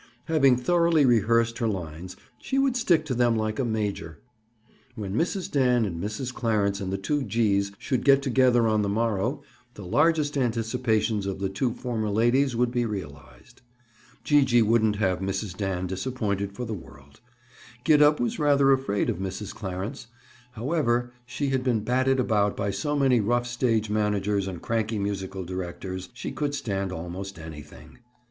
Having thoroughly rehearsed her lines, she would stick to them like a major. When Mrs. Dan and Mrs. Clarence and the two G's should get together on the morrow, the largest anticipations of the two former ladies would be realized. Gee gee wouldn't have Mrs. Dan disappointed for the world. Gid up was rather afraid of Mrs. Clarence; however, she had been batted about by so many rough stage managers and cranky musical directors, she could stand almost anything.